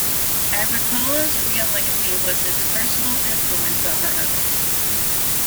Agricola's real legacy was his personal influence over others.